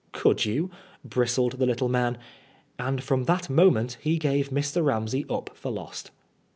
" Could you ?" bristled the little man. And from that moment he gave Mr. Ramsey up for lost.